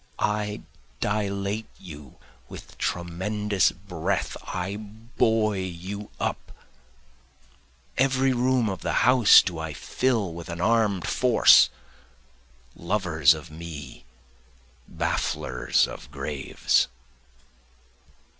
I dilate you with tremendous breath, I buoy you up, Every room of the house do I fill with an arm'd force, Lovers of me, bafflers of graves.